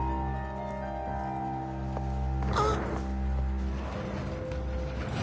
あっ！